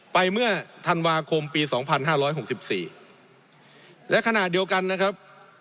ไปเมื่อธันวาคมปีสองพันห้าร้อยหกสิบสี่และขณะเดียวกันนะครับ